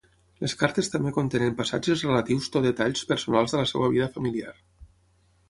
Les cartes també contenen passatges relatius to detalls personals de la seva vida familiar.